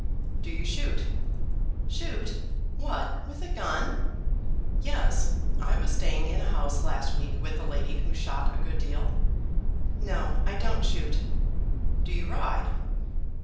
"Do you shoot?" "Shoot! What; with a gun?" "Yes. I was staying in a house last week with a lady who shot a good deal." "No; I don't shoot." "Do you ride?"